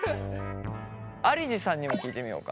有路さんにも聞いてみようか。